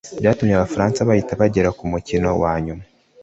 byatumye Abafaransa bahita bagera ku mukino wa nyuma